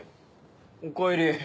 おかえり。